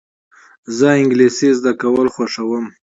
زه انګلېسي زده کول خوښوم.